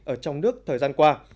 ở trong nước thời gian qua